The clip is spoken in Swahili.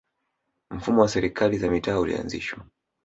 mfumo wa serikali za mitaa ulianzishwa